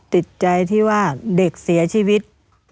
ติดใจที่ว่าเด็กเสียชีวิต